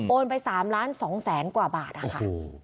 ไป๓ล้าน๒แสนกว่าบาทค่ะ